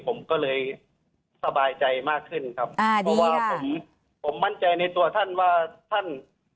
ผมก็เลยสบายใจมากขึ้นครับใช่เพราะว่าผมผมมั่นใจในตัวท่านว่าท่าน